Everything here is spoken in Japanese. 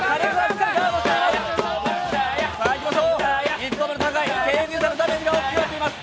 三つどもえの戦い、ＫＺさんのダメージが大きくなっています。